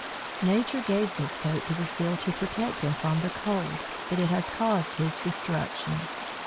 Nature gave this coat to the Seal to protect him from the cold, but it has caused his destruction!